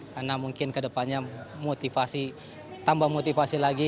karena mungkin ke depannya motivasi tambah motivasi lagi